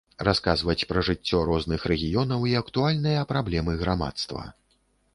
Расказваць пра жыццё розных рэгіёнаў і актуальныя праблемы грамадства.